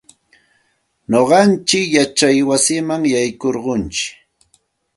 Nuqayku yachay wasiman yaykurquntsik.